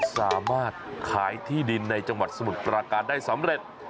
สามารถขายที่ดินในจังหวัดสมุทรปราการได้สำเร็จ